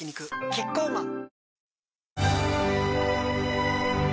キッコーマン